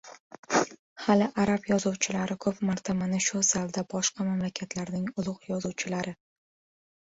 Hali arab yozuvchilari ko‘p marta mana shu zalda boshqa mamlakatlarning ulug‘ yozuvchilari